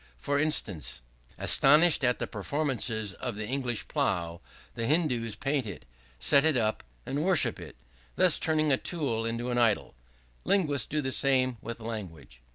For instance: "Astonished at the performances of the English plow, the Hindoos paint it, set it up, and worship it; thus turning a tool into an idol: linguists do the same with language."